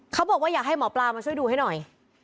เขาบอกว่าอยากให้หมอปลามาช่วยดูให้หน่อย